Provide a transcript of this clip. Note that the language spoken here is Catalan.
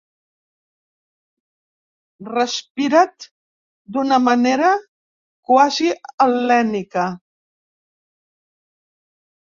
Respirat d'una manera quasi hel·lènica.